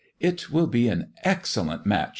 " It will be an excellent match.